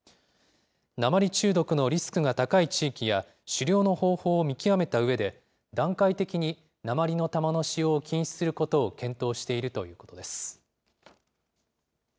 鉛中毒のリスクが高い地域や、狩猟の方法を見極めたうえで、段階的に鉛の弾の使用を禁止することを検討しているということです。